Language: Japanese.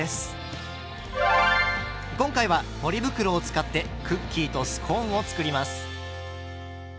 今回はポリ袋を使ってクッキーとスコーンを作ります。